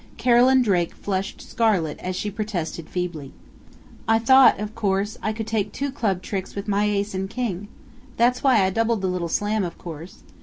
Carolyn Drake flushed scarlet as she protested feebly: "I thought of course I could take two Club tricks with my Ace and King.... That's why I doubled the little slam, of course.